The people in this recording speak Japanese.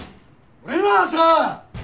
俺らはさ！